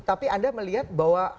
tapi anda melihat bahwa